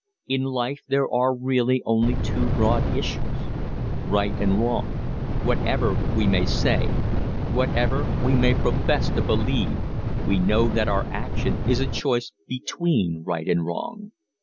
"In life there are really only two broad issues right and wrong. Whatever we may say, whatever we may profess to believe, we know that our action is always a choice between right and wrong.